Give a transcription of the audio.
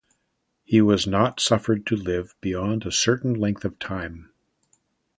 He was not suffered to live beyond a certain length of time.